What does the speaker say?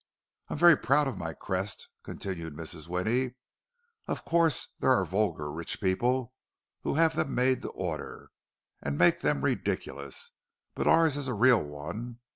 "I'm very proud of my crest," continued Mrs. Winnie. "Of course there are vulgar rich people who have them made to order, and make them ridiculous; but ours is a real one.